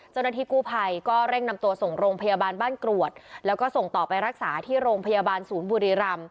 เจ้าหน้าที่กู้ภัยก็เร่งนำตัวส่งโรงพยาบาลบ้านกรวดแล้วก็ส่งต่อไปรักษาที่โรงพยาบาลศูนย์บุรีรำ